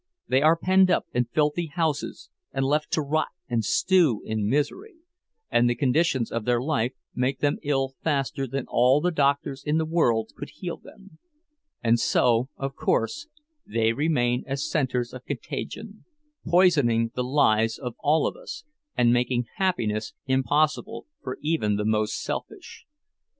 They are penned up in filthy houses and left to rot and stew in misery, and the conditions of their life make them ill faster than all the doctors in the world could heal them; and so, of course, they remain as centers of contagion, poisoning the lives of all of us, and making happiness impossible for even the most selfish.